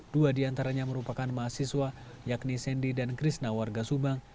dua diantaranya merupakan mahasiswa yakni sandy dan krishna warga subang